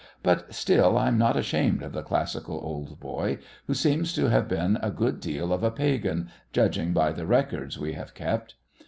But, still, I'm not ashamed of the classical old boy, who seems to have been a good deal of a Pagan, judging by the records we have kept.